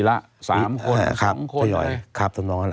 ตั้งแต่ปี๒๕๓๙๒๕๔๘